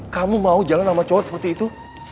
kamu mau jalan sama cowok seperti itu